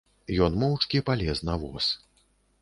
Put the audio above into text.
Ён моўчкі палез на воз.